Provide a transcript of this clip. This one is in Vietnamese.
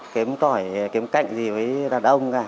kém tỏi kém cạnh gì với đàn ông cả